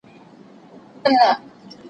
موږ باید د خپلو ملي ارزښتونو ساتنه وکړو